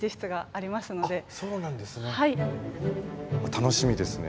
楽しみですね